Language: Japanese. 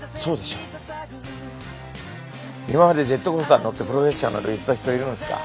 今までジェットコースター乗って「プロフェッショナル」言った人いるんすか？